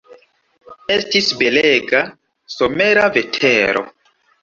Estis belega, somera vetero.